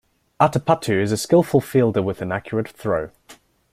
Atapattu is a skilful fielder with an accurate throw.